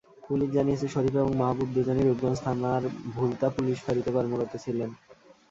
Police জানিয়েছে, শরীফ এবং মাহবুব দুজনই রূপগঞ্জ থানার ভুলতা পুলিশ ফাঁড়িতে কর্মরত ছিলেন।